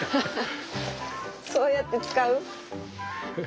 そうやって使う？